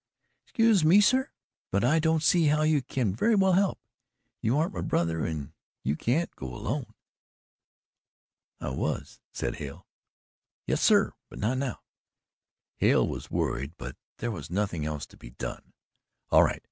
"Excuse me, sir, but I don't see how you can very well help. You aren't my brother and you can't go alone." "I was," said Hale. "Yes, sir, but not now." Hale was worried, but there was nothing else to be done. "All right.